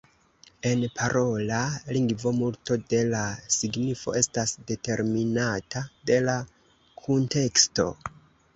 En parola lingvo, multo de la signifo estas determinata de la kunteksto.